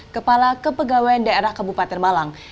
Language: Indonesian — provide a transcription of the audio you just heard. kepala kepegawaian daerah kabupaten malang